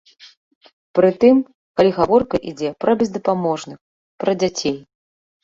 Пры тым, калі гаворка ідзе пра бездапаможных, пра дзяцей.